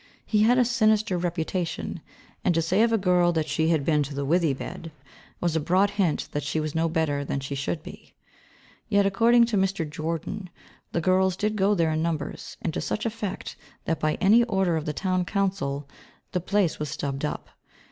He had a sinister reputation, and to say of a girl that she had been to the withy bed was a broad hint that she was no better than she should be. Yet, according to Mr. Jordan, the girls did go there in numbers, and to such effect that by an order of the Town Council the place was stubbed up.